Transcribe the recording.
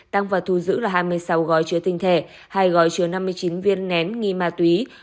tăng vật thu giữ là hai mươi sáu gói chứa tinh thể hai gói chứa năm mươi chín viên nén nghi ma túy